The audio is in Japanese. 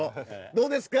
どうですか？